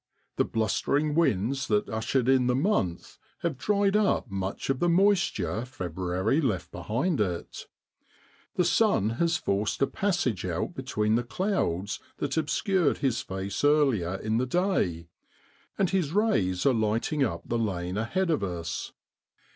The blustering winds that ushered in the month have dried up much of the moisture February left behind it. The sun has forced a passage out between the clouds that obscured his face earlier in the day, and his rays are lighting up the lane ahead of us.